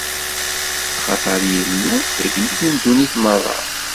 Axaṭer Illu, d Agellid n ddunit merra.